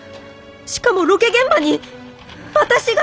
しかもロケ現場に私が！？